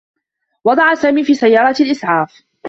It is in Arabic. وُضع سامي في سيّارة إسعاف.